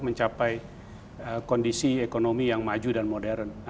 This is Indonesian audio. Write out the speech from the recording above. mencapai kondisi ekonomi yang maju dan modern